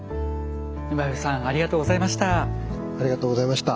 沼部さんありがとうございました。